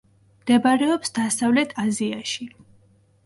მდებარეობს დასავლეთ აზიაში.